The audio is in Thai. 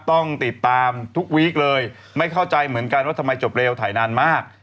ต้องติดตามทุกวีคเลยไม่เข้าใจเหมือนกันว่าทำไมจบเร็วถ่ายนานมาก